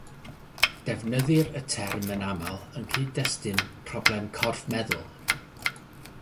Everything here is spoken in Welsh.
Defnyddir y term yn aml yng nghyd-destun problem corff meddwl.